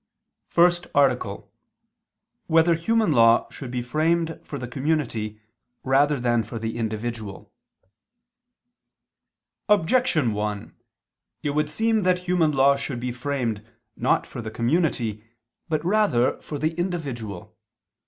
________________________ FIRST ARTICLE [I II, Q. 96, Art. 1] Whether Human Law Should Be Framed for the Community Rather Than for the Individual? Objection 1: It would seem that human law should be framed not for the community, but rather for the individual.